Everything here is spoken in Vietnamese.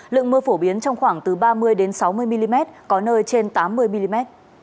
lượng mưa phổ biến trong khoảng từ ba mươi sáu mươi mm có nơi trên tám mươi mm